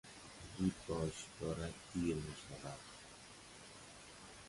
زود باش، دارد دیر میشود!